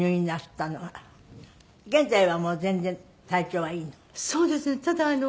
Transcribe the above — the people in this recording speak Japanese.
現在はもう全然体調はいいの？